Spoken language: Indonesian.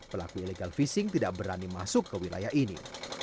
pelaku illegal fishing tidak berani masuk ke wilayah ini